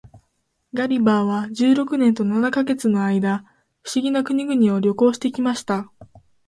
ガリバーは十六年と七ヵ月の間、不思議な国々を旅行して来ました。